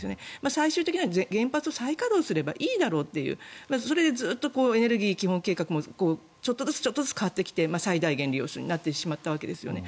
最終的には原発を再稼働すればいいだろうってそれでエネルギー基本計画もちょっとずつ変わってきて最大限利用するになってしまったわけですよね。